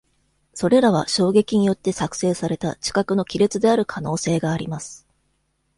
それらは、衝撃によって作成された地殻の亀裂である可能性があります。